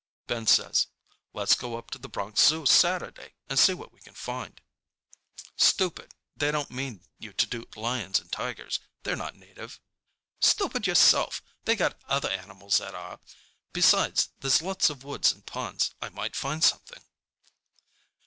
Ben says, "Let's go up to the Bronx Zoo Saturday and see what we can find." "Stupid, they don't mean you to do lions and tigers. They're not native." "Stupid, yourself. They got other animals that are. Besides, there's lots of woods and ponds. I might find something."